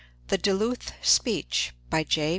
THE DULUTH SPEECH BY J.